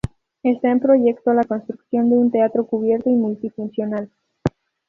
Está en proyecto la construcción de un teatro cubierto y multifuncional.